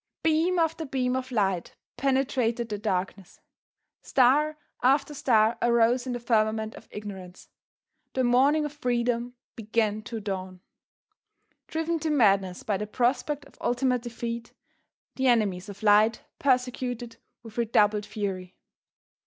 Beam after beam of light penetrated the darkness. Star after star arose in the firmament of ignorance. The morning of Freedom began to dawn. Driven to madness by the prospect of ultimate defeat, the enemies of light persecuted with redoubled fury.